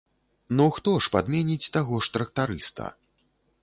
Ну хто ж падменіць таго ж трактарыста?